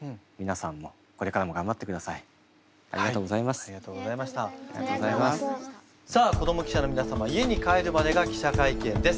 さあ子ども記者の皆様家に帰るまでが記者会見です。